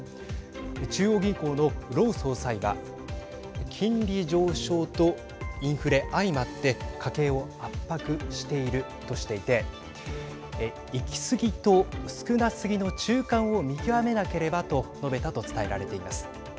中央銀行のロウ総裁は金利上昇とインフレ相まって家計を圧迫しているとしていて行き過ぎと少なすぎの中間を見極めなければと述べたと伝えられています。